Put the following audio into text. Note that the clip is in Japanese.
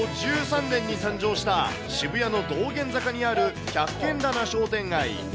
大正１３年に誕生した、渋谷の道玄坂にある百軒店商店街。